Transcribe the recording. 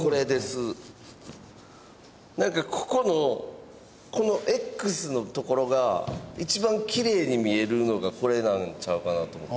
なんかここのこの「Ｘ」のところが一番きれいに見えるのがこれなんちゃうかなと思って。